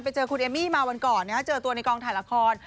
ไปเจอคุณเอมมี่มาวันก่อนเจอตัวในกองถ่ายละคร